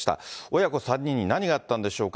親子３人に何があったんでしょうか。